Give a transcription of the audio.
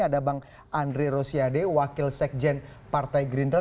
ada bang andri rosiade wakil sekjen partai green road